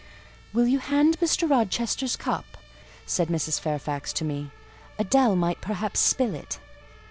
"Will you hand Mr. Rochester's cup?" said Mrs. Fairfax to me; "Adèle might perhaps spill it."